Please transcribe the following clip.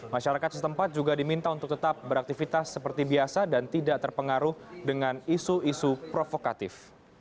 masyarakat setempat juga diminta untuk tetap beraktivitas seperti biasa dan tidak terpengaruh dengan isu isu provokatif